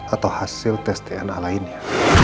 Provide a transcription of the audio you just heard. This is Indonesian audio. atau hasil tes dna lainnya